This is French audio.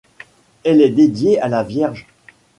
Elle est dédiée à la Vierge.